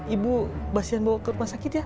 ibu pasien bawa ke rumah sakit ya